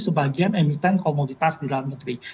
sebagian emiten komoditas di dalam negeri